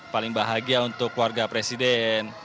paling bahagia untuk keluarga presiden